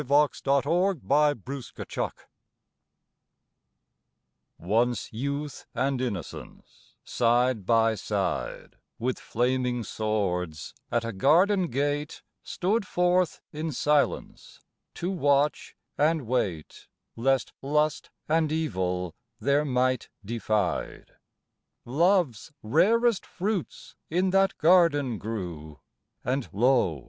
THE TWO ANGELS Once Youth and Innocence, side by side, With flaming swords at a garden gate Stood forth in silence, to watch and wait, Lest lust and evil their might defied. Love's rarest fruits in that garden grew, And lo!